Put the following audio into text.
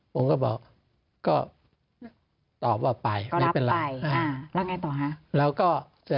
ผมก็บอกก็ตอบว่าไปไม่เป็นไร